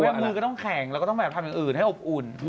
มือก็ต้องแข็งแล้วก็ต้องแบบทำอย่างอื่นให้อบอุ่น